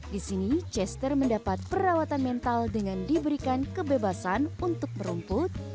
di sini chester mendapat perawatan mental dengan diberikan kebebasan untuk merumput